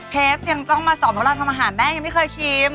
เชฟยังต้องมาสอนว่าเราทำอาหารแม่ยังไม่เคยชิม